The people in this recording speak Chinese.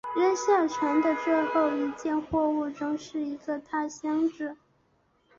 扔下船的最后一件货物中是一个大箱子。